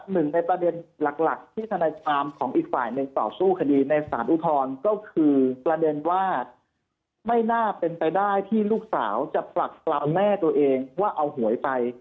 หนึ่งในประเด็นหลักที่ทนายความของอีกฝ่ายหนึ่งต่อสู้คดีในสารอุทธรณ์ก็คือประเด็นว่าไม่น่าเป็นไปได้ที่ลูกสาวจะปรักปลาแม่ตัวเองว่าเอาหวยไป